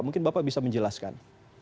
mungkin bapak bisa menjelaskan